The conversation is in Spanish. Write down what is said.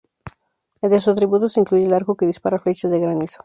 Entre sus atributos se incluye un arco que dispara flechas de granizo..